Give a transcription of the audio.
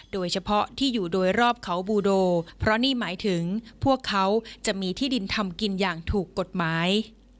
โดยเฉพาะที่อยู่โดยรอบเขาบูโดเพราะนี่หมายถึงพวกเขาจะมีที่ดินทำกินอย่างถูกกฎหมาย